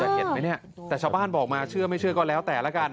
เห็นไหมเนี่ยแต่ชาวบ้านบอกมาเชื่อไม่เชื่อก็แล้วแต่ละกัน